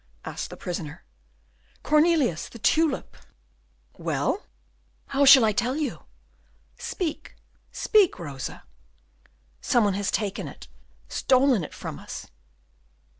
asked the prisoner. "Cornelius! the tulip " "Well?" "How shall I tell you?" "Speak, speak, Rosa!" "Some one has taken stolen it from us."